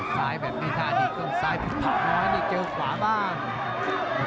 ซ้ายแบบนี้ทานิดกว่าซ้ายพลิกพลังอ๋อนี่เจ้าขวาบ้าง